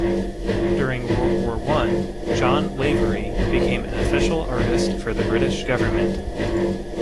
During World War One, John Lavery became an official artist for the British government.